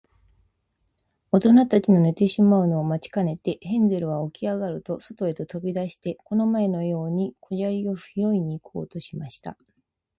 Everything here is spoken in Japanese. おとなたちの寝てしまうのを待ちかねて、ヘンゼルはおきあがると、そとへとび出して、この前のように小砂利をひろいに行こうとしました。